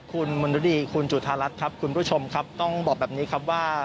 คุณหมุนฤดีคุณจุธารัทธ์คุณผู้ชมต้องบอกแบบนี้ครับว่า